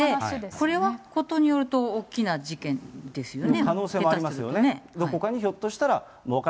これはことによると大きな事件ですよね？